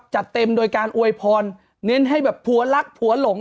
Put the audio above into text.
จัดเต็มโดยการอวยพรเน้นให้แบบผัวรักผัวหลง